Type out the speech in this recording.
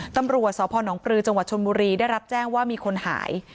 ตำรวจสพนปลือจังหวัดชนบุรีได้รับแจ้งว่ามีคนหาย